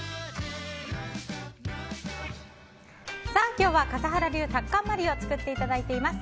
今日は笠原流タッカンマリを作っていただいています。